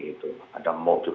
itu semuanya kita lak barang bukti